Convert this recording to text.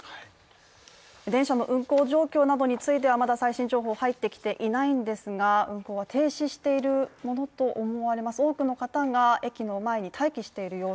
電車の運行状況などについてはまだ最新情報入ってきていないんですが運行は停止しているものと思われます。